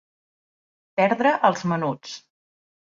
Perdre els menuts.